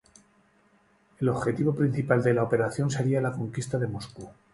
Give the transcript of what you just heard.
El objetivo principal de la operación sería la conquista de Moscú.